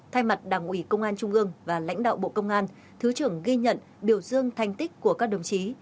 thay mặt đảng ủy công an trung ương và lãnh đạo bộ công an thứ trưởng ghi nhận biểu dương thanh tích của các đồng chí